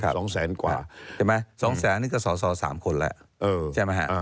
ก็๒๐๐๐๐๐นะฮะครับใช่ไหม๒๐๐๐๐๐นี่ก็สส๓คนแล้วใช่ไหมฮะ